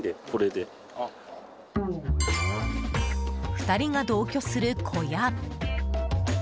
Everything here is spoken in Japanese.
２人が同居する小屋。